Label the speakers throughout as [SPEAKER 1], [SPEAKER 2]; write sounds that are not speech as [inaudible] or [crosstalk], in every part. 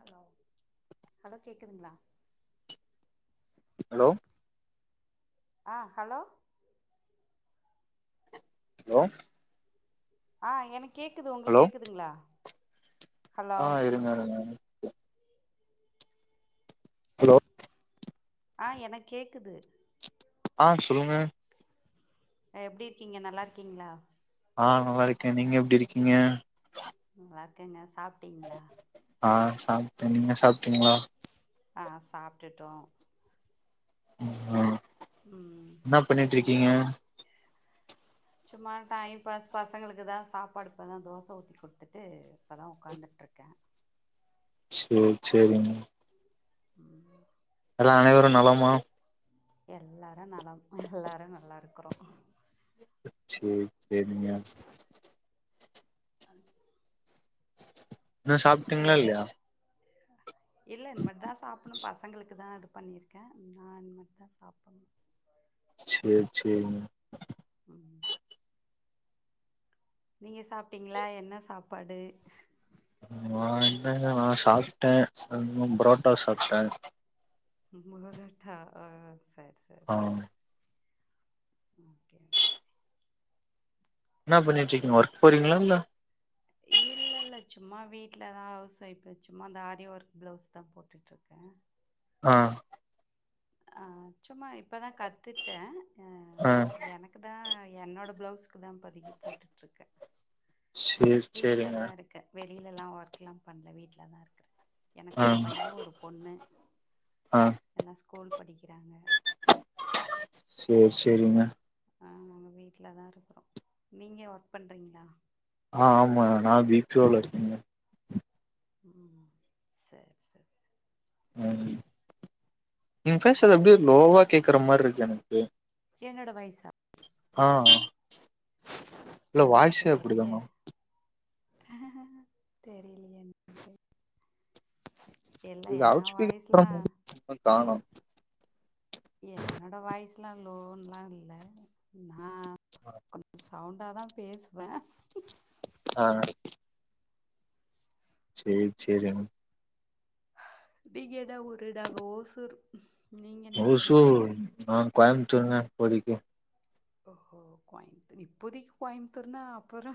[SPEAKER 1] Hello hello கேக்குதுங்ளா
[SPEAKER 2] hello
[SPEAKER 1] ஆ hello
[SPEAKER 2] லோ
[SPEAKER 1] ஆ எனக் கேக்குது உங்களுக்
[SPEAKER 2] ஹலோ
[SPEAKER 1] கேக்குதுங்ளா
[SPEAKER 2] ஆ இருங்க இருங்க அலோ
[SPEAKER 1] ஆ எனக் கேக்குது
[SPEAKER 2] ஆ சொல்லுங்க
[SPEAKER 1] அ எப்டி இருக்கீங்க நல்லாருக்கீங்களா
[SPEAKER 2] ஆ நல்லாருக்கே நீங்க எப்டி இருக்கீங்க
[SPEAKER 1] ம் நல்லார்க்கேங்க சாப்ட்டீங்ளா
[SPEAKER 2] ஆ சாப்ட்டே நீங்க சாப்ட்டீங்களா
[SPEAKER 1] ஆ சாப்ட்டுட்டோ
[SPEAKER 2] உஆ
[SPEAKER 1] ம் இன்னைக்கு எத சும்மா டைம் பாஸ் பசங்களுக்கு தா சாப்பாடு இப்போ தா தோச ஊத்தி குடுத்துட்டு இப்பதா உட்காந்துட் இருக்கே
[SPEAKER 2] சேர் சேரிங்க எல்லா அனைவரு நலமா
[SPEAKER 1] எல்லாரு நலம் எல்லாரு நல்லாருக்குறோ
[SPEAKER 2] சேர் சேரிங்க ன்னு சாப்ட்டீங்களா
[SPEAKER 1] ஏய்
[SPEAKER 2] இல்லையா
[SPEAKER 1] [unintelligible] இல்ல இன்மேட் தா சாப்புணு பசங்களுக்கு தா இது பண்ணிர்க்கே நா இன்மேட் தா சாப்பணு
[SPEAKER 2] சேர் சேரிங்
[SPEAKER 1] ம் நீங்க சாப்ட்டீங்களா என்ன சாப்பாடு
[SPEAKER 2] ம் மா என்னங்க நா சாப்ட்டே [inaudible] ப்ரோட்டா சாப்ட்டே
[SPEAKER 1] மொரோட்டா ஆ சர் சர்
[SPEAKER 2] ஆ
[SPEAKER 1] சர் ஓகே
[SPEAKER 2] என்னா பண்ணிட்ருக்கீங் ஒர்க் போறீங்ளா இல்ல
[SPEAKER 1] இல்லல்ல சும்மா வீட்ல தா ஹவுஸ் வொய்ஃப்பு சும்மா இந்த ஆரி ஒர்க் ப்ளவுஸ் தா போட்டுட்ருக்க
[SPEAKER 2] ஆ
[SPEAKER 1] ஆ சும்மா இப்பதா கத்துட்டே அ
[SPEAKER 2] அ
[SPEAKER 1] எனக்குதா என்னோட ப்ளவுஸ்க்குதா இப்பதக்கி போட்டுட்ருக்க
[SPEAKER 2] சேரி சேரிங்க
[SPEAKER 1] வீட்லதா இருக்க வெளியிலல்லா ஒர்க்லா பண்ல வீட்லதா இருக்க எனக்கு
[SPEAKER 2] ஆ
[SPEAKER 1] ஒரு பைய ஒரு பொண்ணு
[SPEAKER 2] ஆ
[SPEAKER 1] எல்லா ஸ்கூல் படிக்கிறாங்க
[SPEAKER 2] சேர் சேரிங்க
[SPEAKER 1] ஆ நம்ம வீட்லதா இருக்குறோ நீங்க வொர்க் பண்றீங்ளா
[SPEAKER 2] ஆ ஆமா நா பி பி ஓல இருக்கங்
[SPEAKER 1] ம் சர் சர் சர்
[SPEAKER 2] ம் நீங் ஃபேஸ்ரது அப்டி லோவா கேக்குற மார் இருக்கு எனக்கு
[SPEAKER 1] என்னோட வயசா
[SPEAKER 2] ஆ இல்ல வாய்சே அப்டிதா தானா
[SPEAKER 1] தெரிலயே என்க்கு எல்லா
[SPEAKER 2] இது அவுட்
[SPEAKER 1] எ
[SPEAKER 2] ஸ்பீக்கர்
[SPEAKER 1] வாய்ஸ்லா
[SPEAKER 2] இன்னு காணு
[SPEAKER 1] என்னோட வாய்ஸ்லா லோன்லா இல்ல நா கப்ஸ் சவுண்டா தா பேசுவ
[SPEAKER 2] அ சேர் சேரிங்
[SPEAKER 1] நீங்க என்னா ஊரு நாங்க ஓசூர் நீங்க என்ன ஊரு
[SPEAKER 2] ஓசூர் நாங்க கோயமுத்துருங்க இப்போதிக்கு
[SPEAKER 1] ஓகோ கோயமுத்தூர் இப்போதிக்கு கோயமுத்தூர்னா அப்புறோ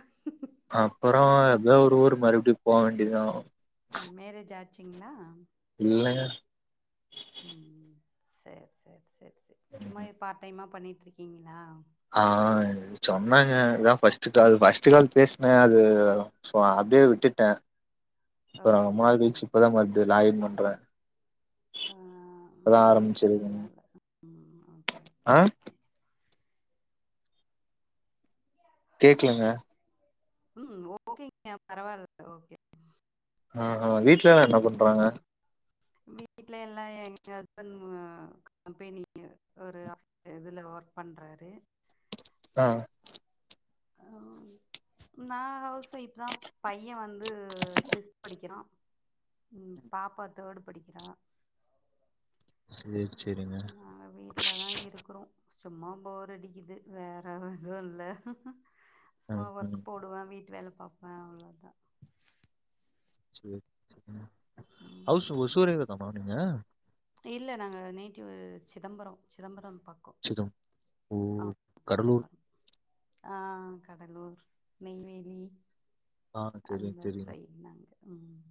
[SPEAKER 2] அப்பறோ ஏதோ ஒரு ஊர் மறுபுடி போ வேண்டிதா
[SPEAKER 1] மேரேஜ் ஆச்சுங்ளா
[SPEAKER 2] இல்லங்க
[SPEAKER 1] ம் சேர் சேர் சேர் சேர் சும்மா இது பாட் டைமா பண்ணிட் இருக்கீங்ளா
[SPEAKER 2] ஆ சொன்னங்க இதா ஃபஸ்ட் கால் ஃபஸ்ட் கால் பேசின அது சோ அப்டியே விட்டுட்ட இப்ப நா ரொம்ப
[SPEAKER 1] ஓகே
[SPEAKER 2] நாள்
[SPEAKER 1] ஓகே
[SPEAKER 2] கழிச்சி இப்பதா
[SPEAKER 1] ஓகே
[SPEAKER 2] மறுபடியு லாகீன் பண்ற
[SPEAKER 1] ஆ ஒன்னு பிரச்சன இல்ல ம் ஓகே ஓகே
[SPEAKER 2] ஆ
[SPEAKER 1] ஓகே
[SPEAKER 2] கேக்லங்க
[SPEAKER 1] ம் ஓகேங்க பரவால்ல ஓகே
[SPEAKER 2] அ அ வீட்லலா என்ன பண்றாங்க
[SPEAKER 1] வீட்ல எல்லா எங்க ஹஸ்பண் கம்பெனி ய ஒரு அப் இதுல ஒர்க் பண்றாரு
[SPEAKER 2] அ
[SPEAKER 1] ஆ நா ஹவுஸ் ஒய்ஃப் தா பைய வந்து சிஸ் படிக்கிறா ம் பாப்பா தேடு படிக்கிறா
[SPEAKER 2] சேரி சேரிங்க
[SPEAKER 1] நாங்க வீட் வீட்டுலதா இருக்கிறோ சும்மா போர் அடிக்குது வேற எதுவு இல்ல
[SPEAKER 2] அ,
[SPEAKER 1] சும்மா ஒர்க்
[SPEAKER 2] ம்.
[SPEAKER 1] போடுவ வீட்டு வேல பாப்ப அவ்ளோ தா
[SPEAKER 2] சேரி சேரி
[SPEAKER 1] ம்
[SPEAKER 2] ஹவுஸ் ஓசூரே தாமா நீங்க
[SPEAKER 1] இல்ல நாங்க நேட்டிவ் சிதம்பர சிதம்பர பக் க்க
[SPEAKER 2] சேதம் ஓ!
[SPEAKER 1] ஆ
[SPEAKER 2] கடலூர்.
[SPEAKER 1] சிதம்பரம் ஆ கடலூர் நெய்வேலி
[SPEAKER 2] ஆ தெரியும்,
[SPEAKER 1] அந்த
[SPEAKER 2] தெரியும்.
[SPEAKER 1] சைடுனாங்க ம்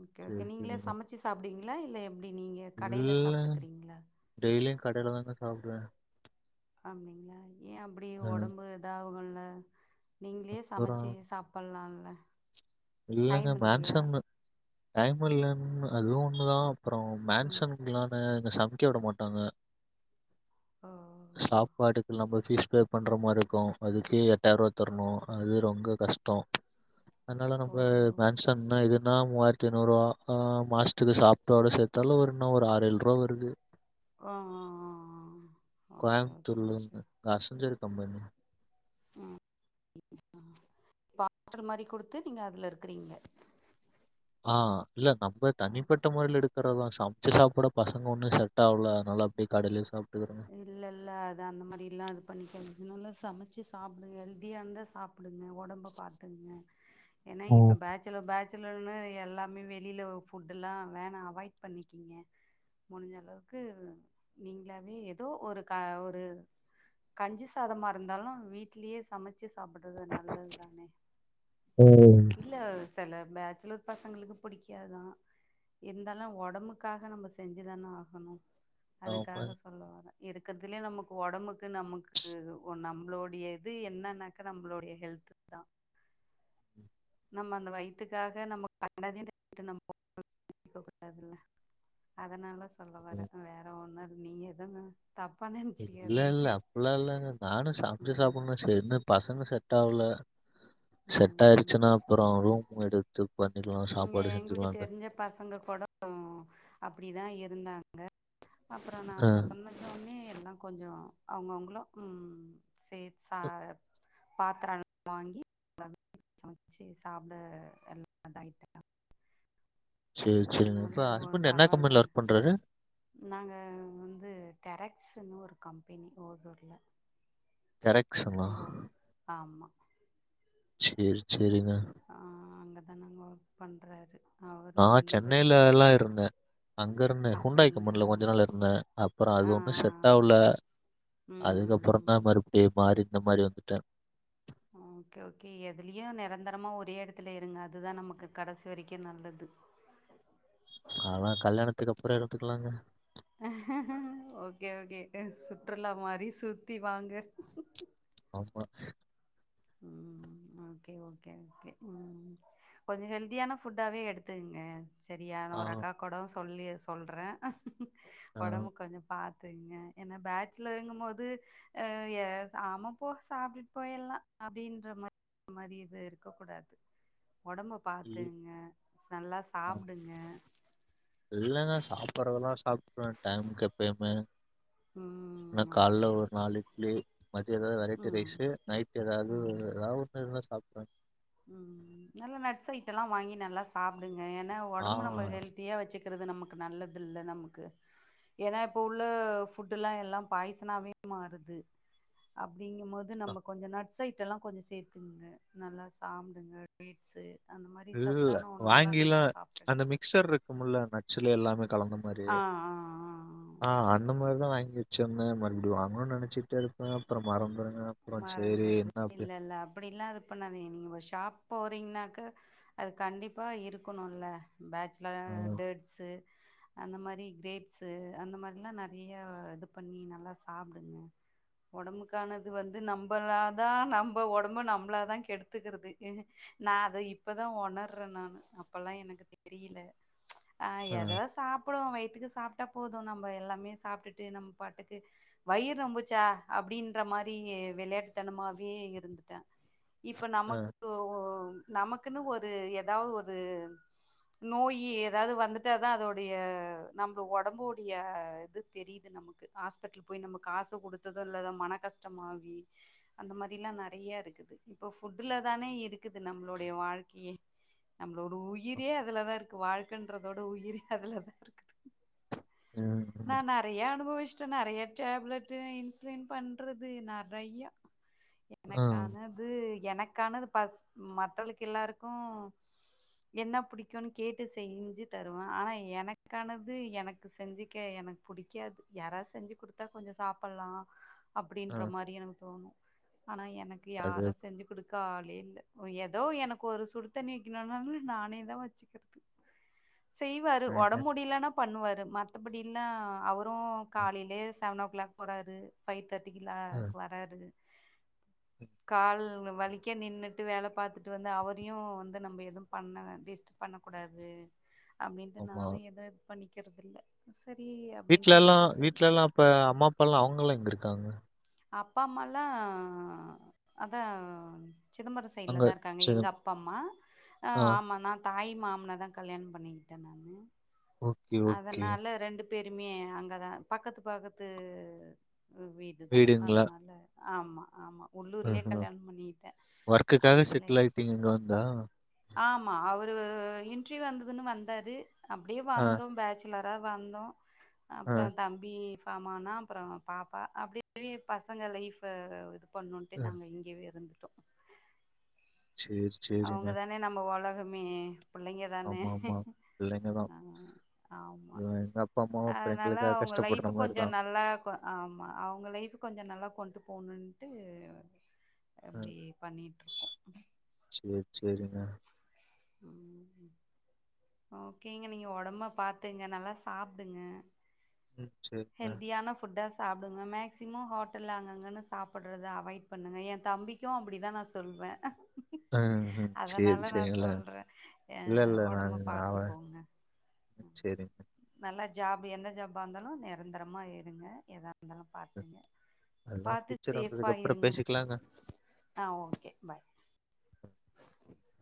[SPEAKER 1] ஓகே
[SPEAKER 2] சரி,
[SPEAKER 1] ஓகே நீங்களே
[SPEAKER 2] சரிங்க.
[SPEAKER 1] சமைச்சி சாப்புடுவிங்களா இல்ல எப்டி நீங்க கடையில சாப்ட்டுக்குறீங்களா
[SPEAKER 2] டெய்லியு கடையில தாங்க சாப்டுவ
[SPEAKER 1] அப்டிங்களா ஏ அப்டியே உடம்பு இதாவுங்கல நீங்களே
[SPEAKER 2] அப்புறம்
[SPEAKER 1] சமச்சு சாப் பில்லால
[SPEAKER 2] இல்லங்க மேன்ஷன் டைம் இல்லன்னு அது ஒண்ணுதா அப்றோ
[SPEAKER 1] ம்
[SPEAKER 2] மேன்ஷன் இன்ன ஓன்னு இங்க சமைக்க விட மாட்டாங்க
[SPEAKER 1] ஓ
[SPEAKER 2] சாபாட்டுக்கு நம்ம பீஸ் பே பண்ற மாரி இருக்கு அதுக்கு எட்டாயிரூபா தரணு அது ரொம்ப கஷ்டோ அதனால ம்
[SPEAKER 1] ஓ
[SPEAKER 2] மேன்ஷன் [unintelligible] இதுனா மூவாயித்தி ஐநூறுவா அ மாஸ்த்துகு சாப்பாட சேத்தாலு ஒரு என்னா ஒரு ஆறு ஏழு ரூவா வருது து
[SPEAKER 1] ஆஆஆஆ ஓகே
[SPEAKER 2] கோயம்புத்தூர்ல
[SPEAKER 1] ஓகே
[SPEAKER 2] இருந்து அசஞ்சர் கம்பெனி
[SPEAKER 1] ம் பாத்துர மாரி குடுத்து நீங்க அதுல இருக்குறீங்க
[SPEAKER 2] ஆஹ் இல்ல நம்ப
[SPEAKER 1] ஆ
[SPEAKER 2] தனிப்பட்ட முறையில எடுக் இருக்குறதா சமைச்சு சாப்புட பசங்க ஒன்னு செட் ஆவுல அதனால அப்டியே கடையுலயே சாப்ட்டுக்குற
[SPEAKER 1] இல்ல இல்ல அது அந்த மாரி எல்லா அது பண்ணிக்காது இன்னொன்ல சமச்சு சாப்புடுங்க ஹெல்தியானதா சாப் படுங்க உடம்ப பாத்துங்க ஏன்னா
[SPEAKER 2] ஓ
[SPEAKER 1] இப்ப பேச் சுல பேச்சுலர்ன்னு எல்லாமே வெளில ஃபுட் எல்லா வேண அவாய்ட் பண்ணிக்கீங்க முடிஞ்ச அளவுக்கு நீங்குளாவே எ தோ ஒரு க ஒரு கஞ்சி சாதமா இருந்தாலு வீட்டுலயே சமைச்சு சாப்புடுறது நல்லதுதான
[SPEAKER 2] ஓ
[SPEAKER 1] இல்ல சில பேச்சலர் பசங்குளுக்கு புடிக்காது தா இருந்தாலு உடம்புக்காக நம்ப செஞ்சுதான ஆகணு
[SPEAKER 2] ஆமா
[SPEAKER 1] அதுக்காக சொல்ல வர இருக்கறதுலயே நமக்கு உடம்புக்கு நமக்கு நம்மளோடைய இது என்னன்னாக்கா நம்ளோடைய ஹெல்த் தா நம்ம அந்த வயித்துக்காக நம்ம கண்டதயு தின்னுட்டு நம்ம போக கூடாதுல்ல அதனால சொல்ல வர வேற ஒன்னு நீ எதுனு தப்பா நின்
[SPEAKER 2] இல்ல இல்ல அப்புல்லா இல்லங்க நானு சமச்சு
[SPEAKER 1] ம்
[SPEAKER 2] சாப்புனு சேரினிப் பசங்க செட் ஆவுல செட்
[SPEAKER 1] ம்
[SPEAKER 2] ஆயிடுச்சீனா அப்றோ ரூம் எடுத் ம் பண்ணிக்கலா
[SPEAKER 1] இங்க
[SPEAKER 2] சாப்பாடு
[SPEAKER 1] எங்களுக்கு
[SPEAKER 2] எடுத்துக்கலானு
[SPEAKER 1] தெரிஞ்ச பசங்க கூட அப்டி தா இருந்தாங்க அப்றோ நா
[SPEAKER 2] ஆ
[SPEAKER 1] சொன்ன சொன்னே எல்லா கொஞ்சோ அவங்கவுங்களு ம் சேத் சா பாத்திரெல்லா வாங்கி சமச்சு சாப்ட எல்லா இதா ஆயிட்டா
[SPEAKER 2] சேரி சேரிங்க
[SPEAKER 1] அதனால
[SPEAKER 2] இப்ப
[SPEAKER 1] ஒ
[SPEAKER 2] ஹஸ்பண்டு என்ன
[SPEAKER 1] பரவால்ல
[SPEAKER 2] கம்பெனில ஒர்க் பண்றாரு
[SPEAKER 1] நாங்க வந்து டெரக்ஸுனு ஒரு கம்பெனி ஓசூர்ல
[SPEAKER 2] டெரக்ஸ்ஸுனா
[SPEAKER 1] இங்கோ ஆமா
[SPEAKER 2] சேர் சேரிங்க
[SPEAKER 1] ஆ அங்க தா நாங்க ஒர்க் பண்றாரு அவரு
[SPEAKER 2] நா
[SPEAKER 1] வந்துட்டு
[SPEAKER 2] சென்னைலலா இருந்தே அங்கெருந்தே ஹூண்டாய்
[SPEAKER 1] அப்டிங்களா
[SPEAKER 2] கம்பெனில கொஞ்ச நாள் இருந்தே அப்றோ
[SPEAKER 1] ஆ
[SPEAKER 2] அது ஒன்னு
[SPEAKER 1] ஆ
[SPEAKER 2] செட்டாவுல
[SPEAKER 1] ம் ம்
[SPEAKER 2] அதுக்கப்றோ
[SPEAKER 1] ம்
[SPEAKER 2] தா மறுப்டியு மாறி இந்த மாரி வந்துட்டே
[SPEAKER 1] ஆ ஓகே ஓகே எதுலியு நெரந்தரமா ஒரே எடத்துலே இருங்க அதுதா நமக்கு கடைசி வரைக்கு நல்லது
[SPEAKER 2] அதலா கல்யாணத்துக்கப்றோ இருந்துக்கலாங்க
[SPEAKER 1] ஓகே ஓகே சுற்றுலா மாரி சுத்தி வாங்க
[SPEAKER 2] ஆமா
[SPEAKER 1] ம் ஓகே ஓகே ஓகே ம் கொஞ்சோ ஹெல்தியான ஃபுட்டாவே எடுத்துங்க செரியா நா
[SPEAKER 2] ஆ,
[SPEAKER 1] ஒரு அக்காகூடோ சொல்லி சொல்றே
[SPEAKER 2] ஆ,
[SPEAKER 1] ஒடம்பு கொஞ்சோ பாத்துங்க ஏனா பேச்சுலர்ங்கு போது ஆ ய ச ஆமா போ சாப்ட்டுட்டு போயர்ல்லா அப்டின்ற மா மாரி இது இருக்க கூடாது ஒடம்ப
[SPEAKER 2] ம்,
[SPEAKER 1] பாத்துங்க ச நல்லா
[SPEAKER 2] ஆ.
[SPEAKER 1] சாப்டுங்க
[SPEAKER 2] இல்லங்க சாப்புறதெல்லா சாப்ட்ருவே டைமுக்கு எப்பயிமே என்ன
[SPEAKER 1] ம் ஓகே
[SPEAKER 2] கால்ல ஒரு
[SPEAKER 1] ஓகே
[SPEAKER 2] நாலு இட்லி மதியோ எதாவ்து வெரைட்டி
[SPEAKER 1] ம்
[SPEAKER 2] ரைஸ்ஸு நைட்டு எதாவ்து
[SPEAKER 1] ம்
[SPEAKER 2] எதா ஒன்னு இருந்தா சாப்ட்ருவே
[SPEAKER 1] ம் நல்ல நட்ஸ் ஐட்டோல்லா வாங்கி நல்லா சாப்டுங்க ஏனா
[SPEAKER 2] ஆ,
[SPEAKER 1] ஒடம்பு நம்ப ஹெல் தியா வச்சுக்குறது நமக்கு நல்லதில்ல நம்க்கு ஏனா இப்போ உள்ள ஃபுட்டுல்லா எல்லா பாய்சனாவே மாறுது அப்டிங்கம்போது
[SPEAKER 2] அ,
[SPEAKER 1] நம்ம கொஞ்சோ நட்ஸ் ஐட்டோல்லா கொஞ்சோ சேத்துங்க நல்லா சாப்டுங்க ஸ்ஸு அந்த மாரி சத்தான உணவுலா நல்லா சாப்டுங்க
[SPEAKER 2] மிக்சர் இருக்குமுல்ல நட்ஸ்ஸுல எல்லாமே கலந்த மாரி
[SPEAKER 1] ஆ ஆ ஆ
[SPEAKER 2] ஆ அந்த மாரி தா வாங்கி வச்சுருந்தே மறுப்டி வாங்னுன் நெனச்சிட்டே இருப்பே அப்றோ மறந்துருவே
[SPEAKER 1] மறந்துருது இல்லல்ல அப்டில்லா அது பண்ணாதீங்க நீங்க ஷாப் போறீங்னாக்க அது கண்டிப்பா இருக்கணுல பேச் ட்ல
[SPEAKER 2] அ,
[SPEAKER 1] டேட்ஸு அந்த மாரி கிரேப்ஸு அந்த மார்ல்லா நறைய இது பண்ணி நல்லா சாப்டுங்க ஒடம்புக்கானது இது வந்து நம்பளா தா நம்ப ஒடம்ப நம்ளா தா கெடுத்துக்கறது நா அத இப்பதா உணர்றே நானு அப்பல்லா எனக்கு தெரில ஆ எதோ சாப் புறோ வயித்துக்கு சாப்ட்டா போது நம்ப எல்லாமே சாப்ட்டுட்டு நம்ப பாட்டுக்கு வயிற் நொம்புச்சா அப்டின்ற மா ரி வெளயாட்டுத்தனமாவே இருந்துட்டே இப்ப
[SPEAKER 2] அ,
[SPEAKER 1] நமக்கு ஒ ஒ நமக்குன்னு ஒரு எதாவு ஒரு நோயி எதாவ்து வந்துட்டா தா அதோடைய நம்ப ஒடம்போடைய இது தெரிது நமக்கு ஆஸ்பட்லு போய் நம்ம காசு குடுத்தது இல்லாத மன கஷ்டமாவி அந்த மாரில்லா நறைய இருக்குது இப்ப ஃபுட்டுல தானே இருக்குது நம்மளுடைய வாழ்க்கையே நம்பளோட
[SPEAKER 2] அ,
[SPEAKER 1] உயிரே அதுலதாருக்கு வாழ்க்கன்றதோட உயிரே அதுலதாருக்குது
[SPEAKER 2] ம்,
[SPEAKER 1] நான் நெறையா அனுபவிஸ்ட்டே நெறையா டேப்லெட்டு, இன்சுலின் பண் றது நெறையா எனக்கான
[SPEAKER 2] ம்,
[SPEAKER 1] து எனக்கானது பட்ஸ் ம் மத்தவளுக் எல்லாருக்கு என்ன புடிக்குனு கேட்டு செஞ்சி தருவே ஆனா எனக்கானது எனக்கு செஞ்சிக்க எனக் புடிக்காது யாராது செஞ்சு குடுத்தா கொஞ்சோ சாப்பல்லா
[SPEAKER 2] அ,
[SPEAKER 1] அப்டின்ற
[SPEAKER 2] அ,
[SPEAKER 1] மாரி எனக்கு தோணு ஆனா எனக்கு
[SPEAKER 2] அது
[SPEAKER 1] யாரு செஞ்சு குடுக் க ஆளே இல்ல ம் எதோ எனக் ஒரு சுடு தண்ணி வெக்கணுன்னாலு நானே தா வச்சிக்கிறது செய்வாரு
[SPEAKER 2] எங்க
[SPEAKER 1] ஒடம் முடியிலானா பண்ணுவாரு மத்தபடில்லா அவரு
[SPEAKER 2] ம்,
[SPEAKER 1] காலைலே செவனோ கிளாக் போறாரு ஃபை தேட்டிக்குலா
[SPEAKER 2] அ,
[SPEAKER 1] க் வராரு கால்லு வலிக்க நின்னுட்டு வேல பாத்துட்டு வந்து அவரையு வந்து நம்ப எதும் பண்ண டிஸ்டப் பண்ணக்கூடாது அப்டின்ட்டு
[SPEAKER 2] ஆமா.
[SPEAKER 1] நானு எது பண்ணிக்கற்தில்ல செரி அப்டின்ட்டு விட்டுட்றது
[SPEAKER 2] இப்ப அம்மா அப்பால்லா அவங்கல்லா எங்கிருக்காங்க
[SPEAKER 1] அப்பா அம்மாலா அதா சிதம்பரோ சைட்ல
[SPEAKER 2] அங்க
[SPEAKER 1] தா இருக்காங்க
[SPEAKER 2] சரி.
[SPEAKER 1] எங்க அப்பா அம்மா அ
[SPEAKER 2] ஆ,
[SPEAKER 1] ஆமா நா தாய் மாமன தா கல்யாண் பண்ணிகிட்ட நானு
[SPEAKER 2] ஓகே, ஓகே.
[SPEAKER 1] அதனால ரெண்டு பேருமே அங்கதா பக்கத்து பக்கத்து வீடு தா
[SPEAKER 2] வீடுங்களா?
[SPEAKER 1] அல்ல ஆமா ஆமா உள்ளூர்லே
[SPEAKER 2] ம்ஹ்ம்.
[SPEAKER 1] கல்யாண் பண்ணிகிட்டே
[SPEAKER 2] வொர்க்குக்காக
[SPEAKER 1] அதனால
[SPEAKER 2] செட்டில்
[SPEAKER 1] எ
[SPEAKER 2] ஆயிட்டீங்க இங்க வந்தா?
[SPEAKER 1] ஆமா அவரு இன்ட்ரீவ் வந்ததுன்னு வந்தாரு அப்டியே
[SPEAKER 2] ஆ,
[SPEAKER 1] வந்தோ பேட்ச் சுலரா வந்தோ
[SPEAKER 2] ஆ,
[SPEAKER 1] அப்றோ தம்பி ஃபாமானா அப்றோ பாப்பா அப்டி யே பசங்க லைஃப இது பண்ணுன்ட்டே
[SPEAKER 2] அ,
[SPEAKER 1] நாங்க இங்கியவே இருந்துட்டோ
[SPEAKER 2] சேர்
[SPEAKER 1] அவங்க தானே நம்ம ஒலகமே பிள்ளைங்க தானே
[SPEAKER 2] ஆமாமா.
[SPEAKER 1] அ ஆமா
[SPEAKER 2] எங் அப்பா அம்மா
[SPEAKER 1] அதனால அவங்க லைஃப கொஞ்சோ நல்லா ஆக்கு ஆமா அவங்க லைஃபு கொஞ்ச நல்லா கொண்டு போணுன்ட்டு அப்டியே பண்ணிட்ருக்கோ
[SPEAKER 2] சேர் சேரிங்க
[SPEAKER 1] ம் ஓகேங்க நீங்க ஒடம்ப பாத்துங்க நல்லா சாப்டுங்க
[SPEAKER 2] ம் சேரிங்க.
[SPEAKER 1] ஹெல்த்தியான ஃபுட்டா சாப்டுங்க மேக்சிமோ ஹோட்டல்ல அங்கங்கனு சாப்பட்றத அவாய்ட் பண்ணுங்க ஏ தம்பிக் கு அப்பிடிதா நா சொல்வ
[SPEAKER 2] ம் ம் சேரி
[SPEAKER 1] அதனால நா
[SPEAKER 2] சேரிங்கள.
[SPEAKER 1] சொல்றே அ
[SPEAKER 2] இல்ல இல்ல நான்
[SPEAKER 1] ஒடம்ப
[SPEAKER 2] அவன்
[SPEAKER 1] பாத்துக்கோங்க
[SPEAKER 2] சேரிங்க.
[SPEAKER 1] நல்லா ஜாபு எந்த ஜாபா இர்ந்தாலு நெரந்தரமா இருங்க எதா இருந்தாலு பாத்துங்க
[SPEAKER 2] அதெல்லாம்
[SPEAKER 1] பாத்து
[SPEAKER 2] ஃபியூச்சர்
[SPEAKER 1] ஷேஃபா
[SPEAKER 2] வந்ததுக்கப்புறம்
[SPEAKER 1] இருங்க
[SPEAKER 2] பேசிக்கலாங்க.
[SPEAKER 1] ஆ ஓகே பாய் [inaudible]